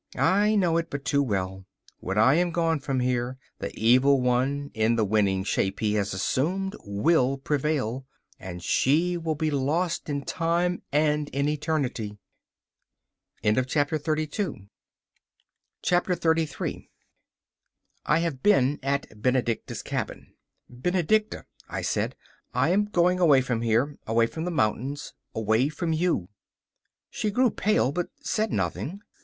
I know it but too well: when I am gone from here, the Evil One, in the winning shape he has assumed, will prevail, and she will be lost in time and in eternity. 33 I have been at Benedicta's cabin. 'Benedicta,' I said, 'I am going away from here away from the mountains away from you.' She grew pale, but said nothing.